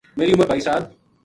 میری عمر بائی سا ل